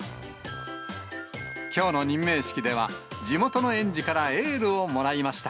きょうの任命式では、地元の園児からエールをもらいました。